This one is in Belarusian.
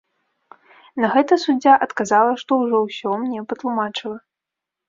На гэта суддзя адказала, што ўжо ўсё мне патлумачыла.